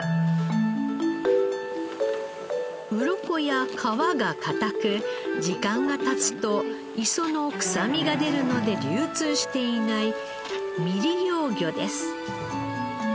うろこや皮が硬く時間が経つと磯の臭みが出るので流通していない未利用魚です。